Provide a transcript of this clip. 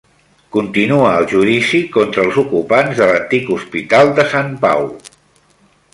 Continua el judici contra els ocupants de l'Antic Hospital de Sant Pau